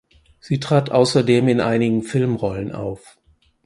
Sie trat außerdem in einigen Filmrollen auf.